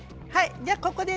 じゃここでね